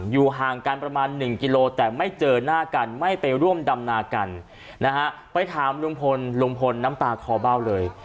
อยู่ห่างกันประมาณ๑กิโลแต่ไม่เจอหน้ากันไม่ไปร่วมดำนากันนะฮะไปถามลุงพลลุงพลน้ำตาคอเบ้าเลย